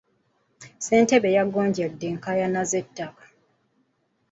Ssentebe yagonjodde enkaayana z'ettaka.